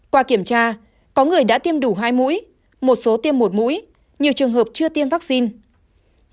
qua kiểm tra có người đã tiêm đủ hai mũi một số tiêm một mũi nhiều trường hợp chưa tiêm vaccine